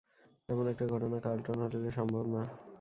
এমন একটা ঘটনা কার্লটন হোটেলে সম্ভব না।